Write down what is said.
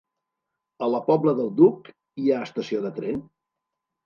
A la Pobla del Duc hi ha estació de tren?